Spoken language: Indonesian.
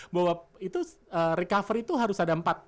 bahwa itu recovery itu harus ada empat